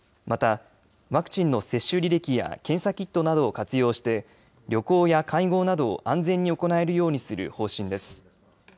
またワクチンの接種履歴や検査キットなどを活用して旅行や会合などを安全に行えるようにする方針です。